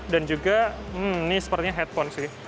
dan juga ini sepertinya headphone sih